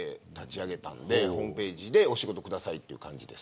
ホームページでお仕事くださいという感じです。